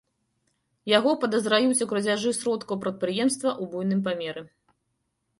Яго падазраюць у крадзяжы сродкаў прадпрыемства ў буйным памеры.